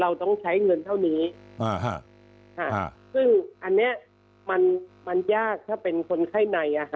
เราต้องใช้เงินเท่านี้ซึ่งอันนี้มันยากถ้าเป็นคนไข้ใน